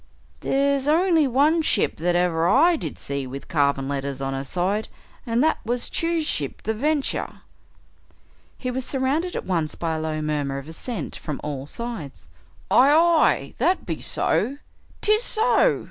"There's only one ship that ever I did see with carven letters on her side, and that was Chew's ship, the Venture." He was surrounded at once by a low murmur of assent from all sides. "Aye aye!" "That be so!" "'Tis so!"